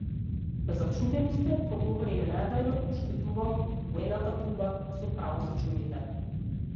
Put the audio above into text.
Зачудени сте, проговори ненадејно, што дувам во воената труба и со право се чудите!